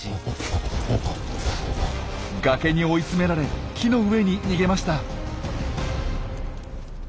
崖に追い詰められ木の上に逃げました。